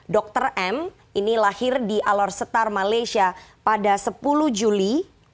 dr m ini lahir di alor setar malaysia pada sepuluh juli seribu sembilan ratus dua puluh lima